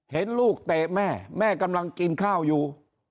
เห็นลูกเตะแม่แม่กำลังกินข้าวอยู่